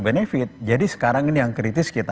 benefit jadi sekarang ini yang kritis kita